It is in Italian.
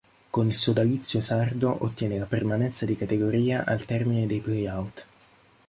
Con il sodalizio sardo ottiene la permanenza di categoria al termine dei play-out.